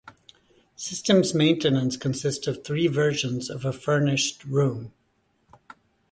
Systems Maintenance consists of three versions of a furnished room.